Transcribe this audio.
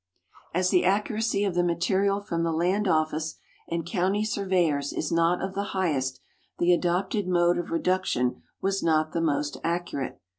232 GEOGRAPHIC LITERATURE As the accuracy of the material from the Land Office and county sur veyors is not of the highest, the adopted mode of reduction was not the most accurate.